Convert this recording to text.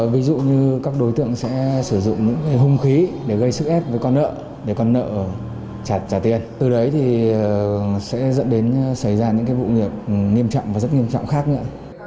ví dụ như các đối tượng sẽ sử dụng những hung khí để gây sức ép với con nợ để con nợ trả tiền từ đấy thì sẽ dẫn đến xảy ra những vụ việc nghiêm trọng và rất nghiêm trọng khác nữa